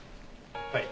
はい。